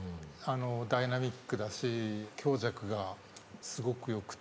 ダイナミックだし強弱がすごく良くて。